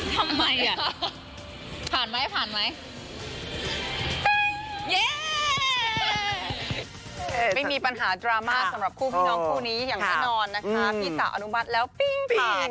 ทำไมอ่ะผ่านไหมผ่านไหมมีปัญหาดราม่าสำหรับคู่พี่น้องคู่นี้อย่างแน่นอนนะคะพี่สาวอนุมัติแล้วปิ้งผิด